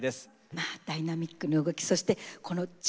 まあダイナミックな動きそしてこのチームワーク。